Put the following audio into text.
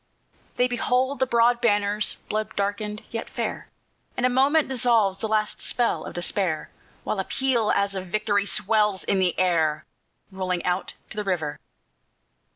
They behold the broad banners, blood darkened, yet fair, And a moment dissolves the last spell of despair, While a peal, as of victory, swells on the air, Rolling out to the river.